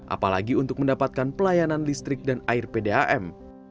apalagi untuk mendapatkan pelayanan listrik dan air pdam